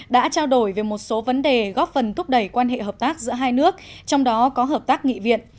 đã trao đổi về một số vấn đề góp phần thúc đẩy quan hệ hợp tác giữa hai nước trong đó có hợp tác nghị viện